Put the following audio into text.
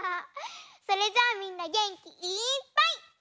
それじゃあみんなげんきいっぱいいってみよう！